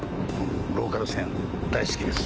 ローカル線大好きです。